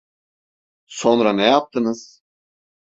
Sonra ne yaptınız?